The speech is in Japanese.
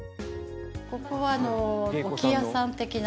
ここは置屋さん的な。